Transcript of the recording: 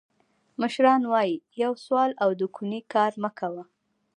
مشران وایي: یو سوال او د کونې کار مه کوه.